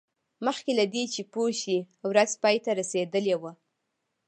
مخکې له دې چې پوه شي ورځ پای ته رسیدلې وه